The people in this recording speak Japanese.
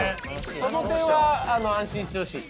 その点は安心してほしい。